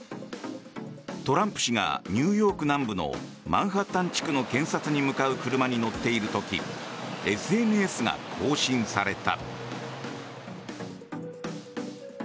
トランプ氏がニューヨーク南部のマンハッタン地区の検察に向かう車に乗っている時ＳＮＳが更新された。